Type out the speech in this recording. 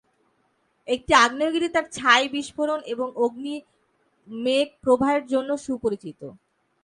এই আগ্নেয়গিরি তার ছাই বিস্ফোরণ এবং অগ্নি-মেঘ প্রবাহের জন্য সুপরিচিত।